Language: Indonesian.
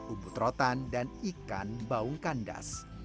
ubud rotan dan ikan baung kandas